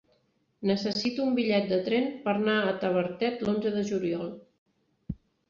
Necessito un bitllet de tren per anar a Tavertet l'onze de juliol.